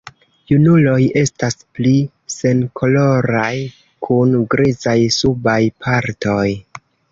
Junuloj estas pli senkoloraj kun grizaj subaj partoj.